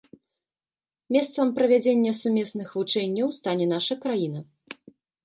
Месцам правядзення сумесных вучэнняў стане наша краіна.